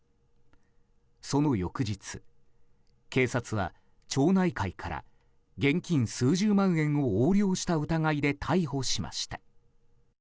その翌日、警察は町内会から現金数十万円を横領した疑いで逮捕しました。